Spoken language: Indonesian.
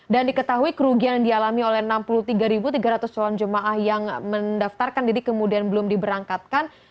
dan diketahui kerugian yang dialami oleh enam puluh tiga tiga ratus jemaah yang mendaftarkan jadi kemudian belum diberangkatkan